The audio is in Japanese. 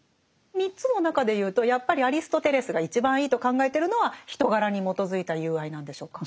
３つの中で言うとやっぱりアリストテレスが一番いいと考えてるのは人柄に基づいた友愛なんでしょうか？